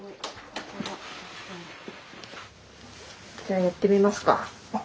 じゃあやってみますか。